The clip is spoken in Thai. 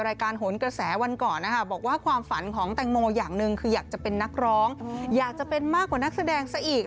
อยากจะเป็นมากกว่านักแสดงซะอีก